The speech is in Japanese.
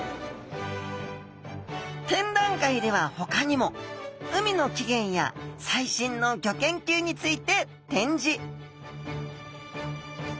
展覧会ではほかにも海の起源や最新のギョ研究について展示！